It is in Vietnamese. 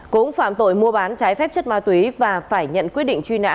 cũng phạm tội mua bán trái phép chất ma túy và phải nhận quyết định truy nã